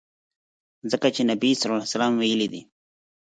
ځکه چي نبي ص ویلي دي.